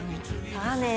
さあねえ